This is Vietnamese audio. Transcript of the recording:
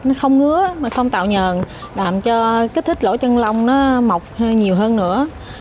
nó không ngứa không tạo nhờn làm cho kích thích lỗ chân lông nó mọc nhiều hơn nữa